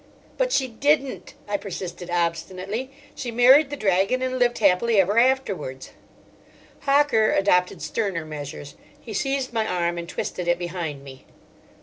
"But she didn't," I persisted obstinately. "She married the Dragon and lived happy ever afterwards." Hocker adopted sterner measures. He seized my arm and twisted it behind me.